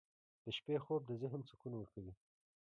• د شپې خوب د ذهن سکون ورکوي.